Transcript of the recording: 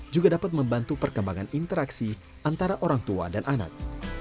juga dapat membantu perkembangan interaksi antara orang tua dan anak